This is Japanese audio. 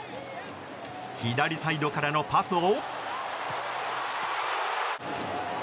左サイドからのパスを。